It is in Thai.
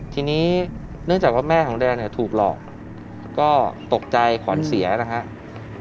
ทีนี้เนื่องจากว่าแม่ของแดงเนี่ยถูกหลอกก็ตกใจขวัญเสียนะครับ